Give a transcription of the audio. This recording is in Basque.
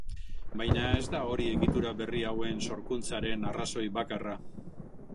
Baina ez da hori egitura berri hauen sorkuntzaren arrazoi bakarra.